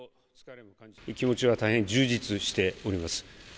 気持ちは大変充実しております。